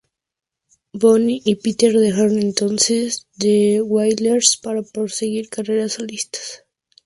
Bunny y Peter dejaron entonces The Wailers para proseguir carreras solistas.